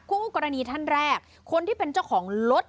คู่กรณีท่านแรกคนที่เป็นเจ้าของรถ